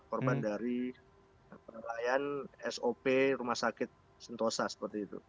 korban dari penelayan sop rumah sakit sentosa seperti itu